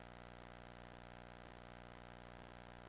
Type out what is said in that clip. yang kita kejar kemarin